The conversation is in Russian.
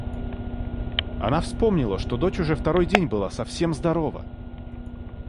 Она вспомнила, что дочь уже второй день была совсем здорова.